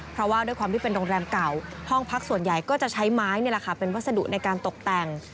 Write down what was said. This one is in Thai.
เพราะว่าด้วยความที่เป็นโรงแรมเก่าห้องพักส่วนใหญ่ก็จะใช้ไม้นี่แหละค่ะเป็นวัสดุในการตกแต่ง